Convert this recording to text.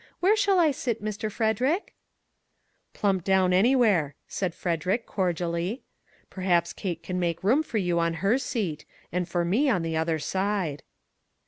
Where shall I sit, Mr. Frederick?" " Plump down anywhere," said Frederick, cordially ;" perhaps Kate can make room for you on her seat, and for me on the other side."